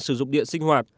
sử dụng điện sinh hoạt